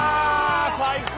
最高！